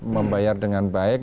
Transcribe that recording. membayar dengan baik